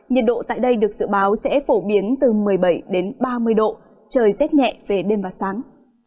nhiệt độ tại đây được dự báo sẽ phổ biến từ một mươi bảy đến ba mươi độ trời rét nhẹ về đêm và sáng